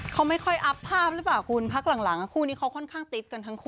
เขาไม่ค่อยอัพภาพหรือเปล่าคุณพักหลังคู่นี้เขาค่อนข้างติดกันทั้งคู่